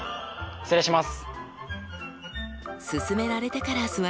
失礼します。